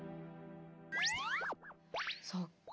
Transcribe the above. そっか。